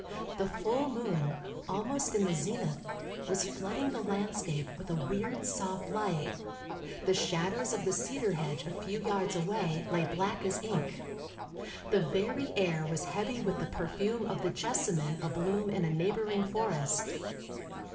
The full moon, almost in the zenith, was flooding the landscape with a weird, soft light; the shadows of the cedar hedge a few yards away lay black as ink; the very air was heavy with the perfume of the jessamine abloom in a neighboring forest.